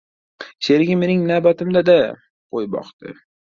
Sherigim mening navbatimda-da qo‘y boqdi.